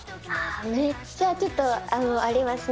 めっちゃちょっとありますね。